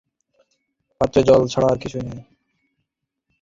প্রত্যেকটি পাত্রে জল ছাড়া আর কিছুই নাই।